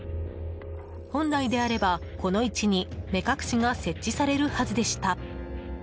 本来であれば、この位置に目隠しが設置されるはずでした。